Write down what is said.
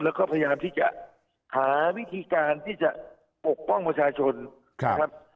แล้วก็พยายามที่จะหาวิธีการที่จะปกป้องประชาชนนะครับ